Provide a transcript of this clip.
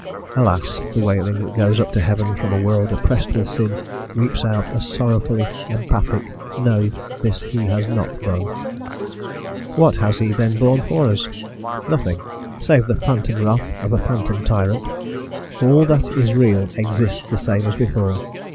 Alas! the wailing that goes up to heaven from a world oppressed with sin weeps out a sorrowfully emphatic, "no, this he has not done." What has he then borne for us? Nothing, save the phantom wrath of a phantom tyrant; all that is real exists the same as before.